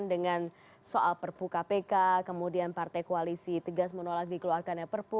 dengan soal perpu kpk kemudian partai koalisi tegas menolak dikeluarkannya perpu